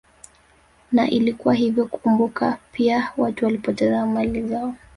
Na ilikuwa hivyo kumbuka pia watu walipoteza mali zao